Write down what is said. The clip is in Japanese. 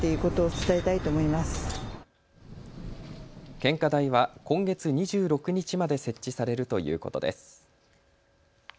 献花台は今月２６日まで設置されるということです。